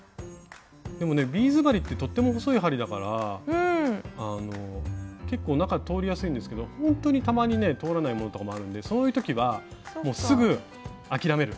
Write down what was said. でもねビーズ針ってとっても細い針だから結構中通りやすいんですけどほんとにたまにね通らないものとかもあるんでそういう時はすぐ諦める。